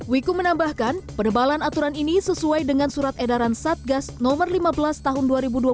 wiku menambahkan penebalan aturan ini sesuai dengan surat edaran satgas no lima belas tahun dua ribu dua puluh